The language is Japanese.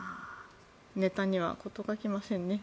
ネタには事欠きませんね。